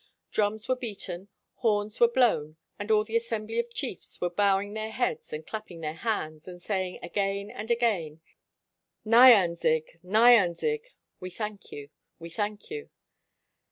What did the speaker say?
Drums were beaten, horns were blown, and all the assembly of chiefs were bowing their heads and clapping their hands, and saying again and again, "Nyan zig," "Nyanzig," "We thank you," "We thank you."